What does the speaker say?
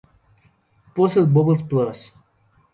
Puzzle Bobble Plus!